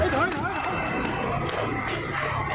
เฮ้ย